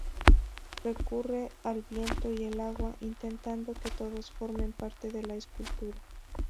Recurre al viento y al agua, intentando que todos formen parte de la escultura.